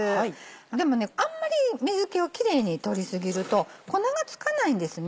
でもねあんまり水気をキレイに取り過ぎると粉が付かないんですね。